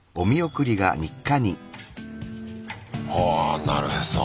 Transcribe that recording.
あなるへそ。